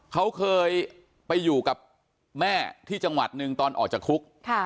เขาเคยไปอยู่กับแม่ที่จังหวัดหนึ่งตอนออกจากคุก